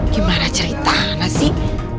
gimana cerita nya sih